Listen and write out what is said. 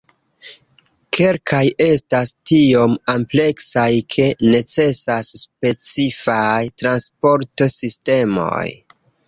Kelkaj estas tiom ampleksaj ke necesas specifaj transporto-sistemoj.